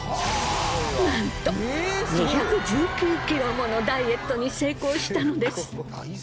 なんと２１９ｋｇものダイエットに成功したのです。